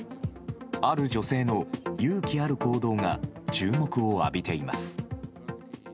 ある女性の勇気ある行動が注目を浴びています。